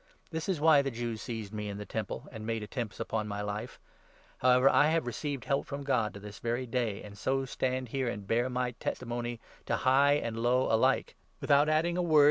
This is why the Jews seized me in the Temple, and made 21 attempts upon my life. However I have received help from 22 God to this very day, and so stand here, and bear my testimony to high and low alike — without adding a word to J« Ezelc.